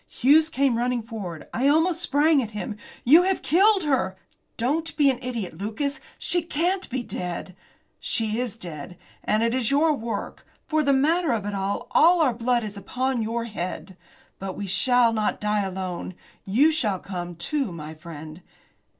Hughes came running forward. I almost sprang at him. "You have killed her!" "Don't be an idiot, Lucas! She can't be dead!" "She is dead. And it is your work. For the matter of that, all our blood is upon your head. But we shall not die alone. You shall come, too, my friend."